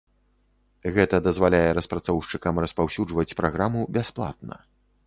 Гэта дазваляе распрацоўшчыкам распаўсюджваць праграму бясплатна.